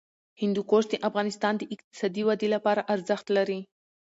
هندوکش د افغانستان د اقتصادي ودې لپاره ارزښت لري.